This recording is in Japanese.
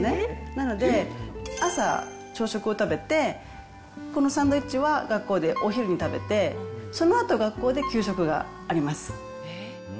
なので、朝、朝食を食べて、このサンドイッチは学校でお昼に食べて、そのあと学校で給食があります。